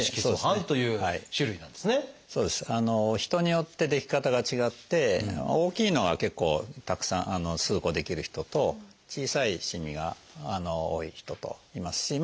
人によって出来方が違って大きいのが結構たくさん数個出来る人と小さいしみが多い人といますしま